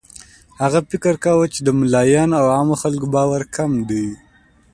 هغه فکر کاوه چې د ملایانو او عامو خلکو باور کم دی.